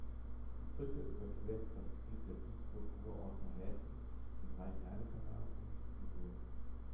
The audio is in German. Die Brücke überquert das Gebiet der Duisburg-Ruhrorter Häfen, den Rhein-Herne-Kanal und die Ruhr.